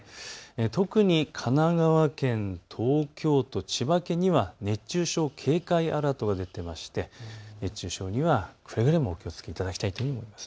特に神奈川県、東京都、千葉県には熱中症警戒アラートが出ていまして熱中症にはくれぐれもお気をつけいただきたいと思います。